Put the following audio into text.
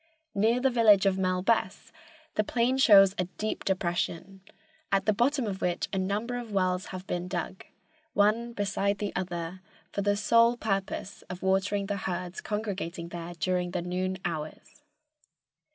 Near the village of Melbess the plain shows a deep depression, at the bottom of which a number of wells have been dug, one beside the other, for the sole purpose of watering the herds congregating there during the noon hours.